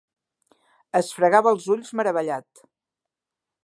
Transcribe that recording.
Es fregava els ulls meravellat.